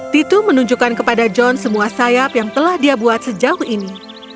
titu menunjukkan kepada john semua sayap yang telah dia buat sejauh ini